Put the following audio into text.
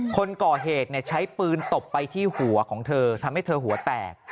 คนก่อเหตุใช้ปืนตบไปที่หัวของเธอทำให้เธอหัวแตก